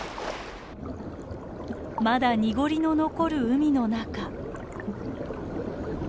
まだ濁りの残る海の中。